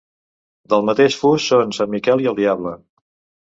Del mateix fust són sant Miquel i el diable.